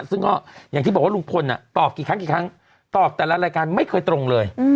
ซึ่งก็อย่างที่บอกว่าลุงพลตอบกี่ครั้งกี่ครั้งตอบแต่ละรายการไม่เคยตรงเลย